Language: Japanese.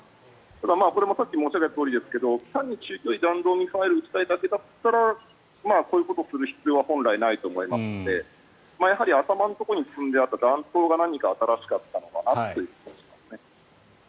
ただ、これもさっき申し上げたとおりですが単に中距離弾道ミサイルを撃ちたいだけだったらこういうことをする必要は本来ないと思いますのでやはり頭のところに積んであった弾頭が何か新しかったのかなという気がしますね。